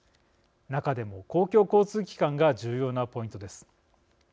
中でも、公共交通機関が重要なポイントです。